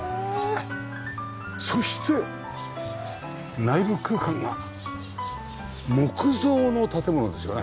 そして内部空間が木造の建物ですよね？